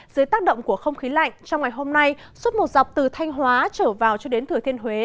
dưới tác động của không khí lạnh trong ngày hôm nay suốt một dọc từ thanh hóa trở vào cho đến thừa thiên huế